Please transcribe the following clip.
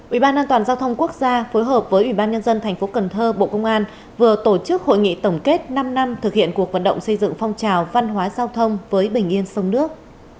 ủy ban an toàn giao thông quốc gia phối hợp với ủy ban nhân dân thành phố cần thơ bộ công an vừa tổ chức hội nghị tổng kết năm năm thực hiện cuộc vận động xây dựng phong trào văn hóa giao thông với bình yên sông nước